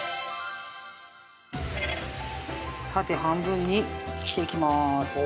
縦半分に切っていきます。